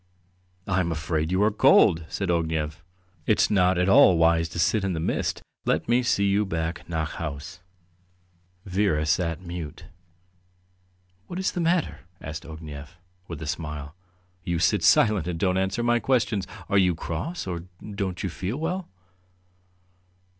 "I am afraid you are cold," said Ognev. "It's not at all wise to sit in the mist. Let me see you back nach haus." Vera sat mute. "What is the matter?" asked Ognev, with a smile. "You sit silent and don't answer my questions. Are you cross, or don't you feel well?"